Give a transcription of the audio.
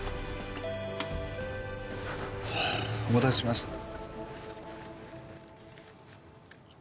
お待たせしました。